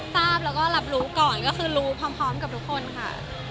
ทราบแล้วก็รับรู้ก่อนก็คือรู้พร้อมกับทุกคนค่ะ